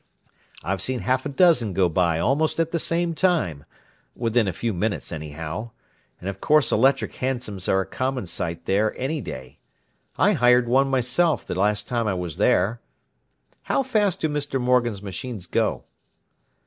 I've seen half a dozen go by almost at the same time—within a few minutes, anyhow; and of course electric hansoms are a common sight there any day. I hired one, myself, the last time I was there. How fast do Mr. Morgan's machines go?"